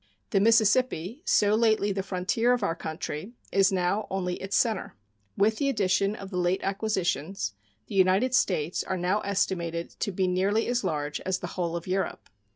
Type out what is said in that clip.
The Mississippi, so lately the frontier of our country, is now only its center. With the addition of the late acquisitions, the United States are now estimated to be nearly as large as the whole of Europe.